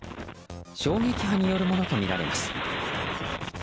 衝撃波によるものとみられます。